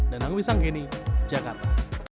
danang wisangkini jakarta